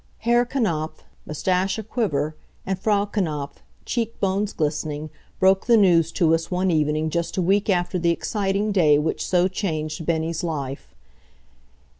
Herr Knapf, mustache aquiver, and Frau Knapf, cheek bones glistening, broke the news to us one evening just a week after the exciting day which so changed Bennie's life.